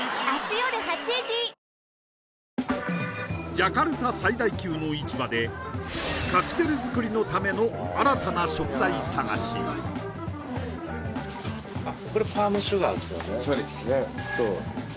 ジャカルタ最大級の市場でカクテル作りのための新たな食材探しねっ